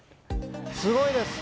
すごいです。